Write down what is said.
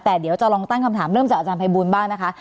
แต่เดี๋ยวจะลองตั้งคำถามเริ่มจากอาจารย์ภัยบูลบ้างนะคะ